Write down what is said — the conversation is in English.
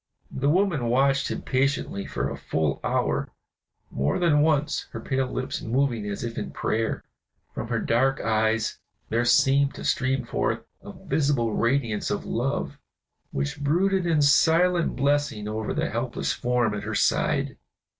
The woman watched him patiently for a full hour, more than once her pale lips moving as if in prayer. From her dark eyes there seemed to stream forth a visible radiance of love which brooded in silent blessing over the helpless form at her side.